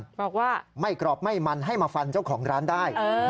บอกว่าไม่กรอบไม่มันให้มาฟันเจ้าของร้านได้